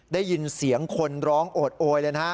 ได้ยินเสียงคนร้องโอดโอยเลยนะฮะ